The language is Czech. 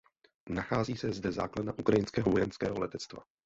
Nachází se zde základna ukrajinského vojenského letectva.